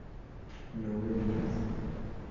¿no bebías?